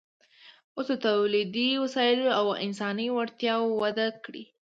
اوس د تولیدي وسایلو او انساني وړتیاوو وده کړې ده